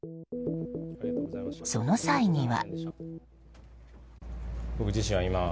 その際には。